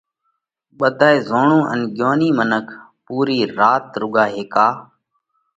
ٻڌائي زوڻُو ان ڳيونِي منک پُورِي رات رُوڳا هيڪا